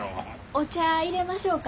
お茶いれましょうか？